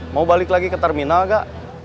mau balik lagi ke terminal gak